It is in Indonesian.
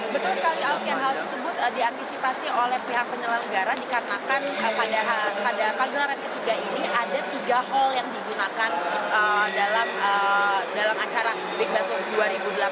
betul sekali alpian hal tersebut diantisipasi oleh pihak penyelenggara dikarenakan pada hal